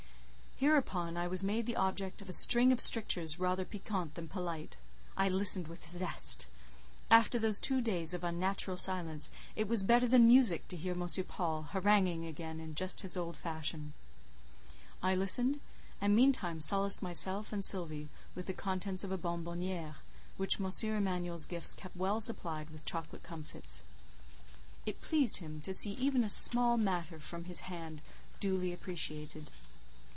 Hereupon I was made the object of a string of strictures rather piquant than polite. I listened with zest. After those two days of unnatural silence, it was better than music to hear M. Paul haranguing again just in his old fashion. I listened, and meantime solaced myself and Sylvie with the contents of a bonbonnière, which M. Emanuel's gifts kept well supplied with chocolate comfits: It pleased him to see even a small matter from his hand duly appreciated.